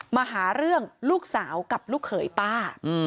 มาหาเรื่องลูกสาวกับลูกเขยป้า